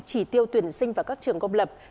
chỉ tiêu tuyển sinh vào các trường công lập